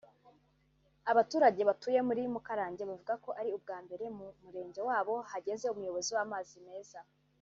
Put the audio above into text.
Abaturage batuye muri Mukarange bavuga ko ari ubwa mbere mu murenge wabo hageze umuyobozi w’amazi meza